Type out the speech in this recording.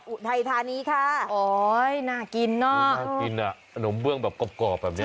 โอ้ยน่ากินน่ะน่ากินน่ะนมเบื้องแบบกรอบแบบเนี้ย